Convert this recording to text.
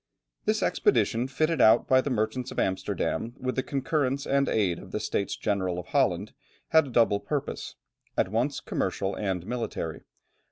This expedition, fitted out by the merchants of Amsterdam with the concurrence and aid of the States General of Holland, had a double purpose; at once commercial and military.